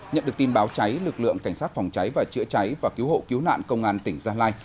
nhận được tin báo cháy lực lượng cảnh sát phòng cháy và chữa cháy và cứu hộ cứu nạn công an tỉnh gia lai